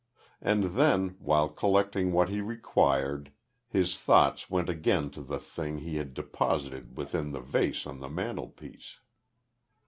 And then, while collecting what he required, his thoughts went again to the thing he had deposited within the vase on the mantelpiece.